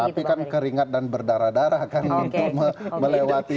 tapi kan keringat dan berdarah darah kan untuk melewati